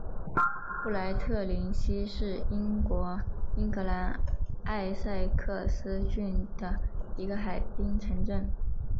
布赖特灵西是英国英格兰埃塞克斯郡的一个海滨城镇。